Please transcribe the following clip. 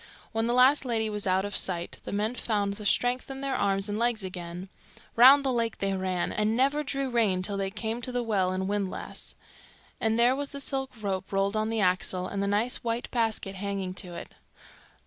When the last lady was out of sight, the men found the strength in their arms and legs again. Round the lake they ran, and never drew rein till they came to the well and windlass; and there was the silk rope rolled on the axle, and the nice white basket hanging to it.